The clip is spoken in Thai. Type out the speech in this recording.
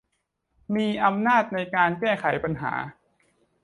มีอำนาจในการแก้ไขปัญหา